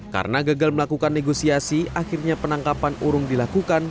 karena gagal melakukan negosiasi akhirnya penangkapan urung dilakukan